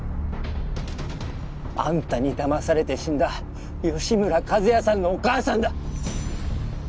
あんたにだまされて死んだ吉村一也さんのお母さんだ！